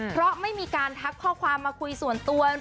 เพราะไม่มีการทักข้อความมาคุยส่วนตัว